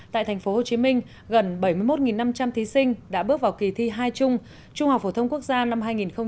tại tp hcm gần bảy mươi một năm trăm linh thí sinh đã bước vào kỳ thi hai trung trung học phổ thông quốc gia năm hai nghìn một mươi tám